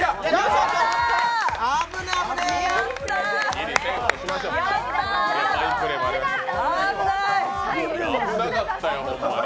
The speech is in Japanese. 危なかったよ、ホンマに。